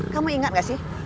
kamu ingat gak sih